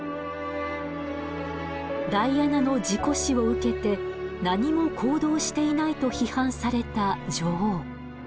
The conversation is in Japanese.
ダイアナの事故死を受けて何も行動していないと批判された女王。